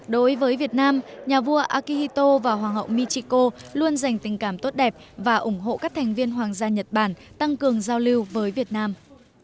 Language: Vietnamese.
đối với việt nam nhà vua akihito và hoàng hậu michiko luôn dành tình cảm tốt đẹp và ủng hộ các thành viên hoàng gia nhật bản tăng cường giao lưu với việt nam